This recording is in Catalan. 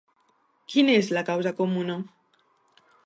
Quina és la causa comuna?